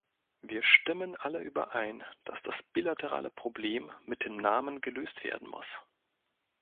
Wir stimmen alle überein, dass das bilaterale Problem mit dem Namen gelöst werden muss.